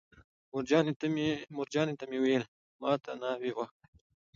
مورجانې ته مې ویل: ما ته ناوې وښایه.